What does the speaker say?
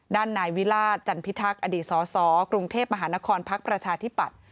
ด้านนายวิราชจันพิทักษ์อดีตสสกรุงเทพมหานครพักประชาธิปัตย